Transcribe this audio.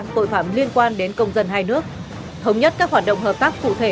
tội phạm liên quan đến công dân hai nước thống nhất các hoạt động hợp tác cụ thể